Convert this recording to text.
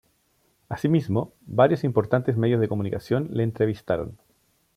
Así mismo, varios importantes medios de comunicación le entrevistaron.